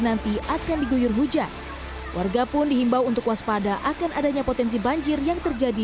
nanti akan diguyur hujan warga pun dihimbau untuk waspada akan adanya potensi banjir yang terjadi